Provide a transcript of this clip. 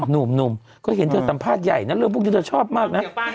นุ่มก็เขียนใจสัมภาษณ์ใหญ่นะเรียกพวกนี้ผมชอบมากนะ